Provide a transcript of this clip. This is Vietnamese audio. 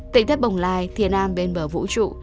tỉnh thất bồng lai thiên an bên bờ vũ trụ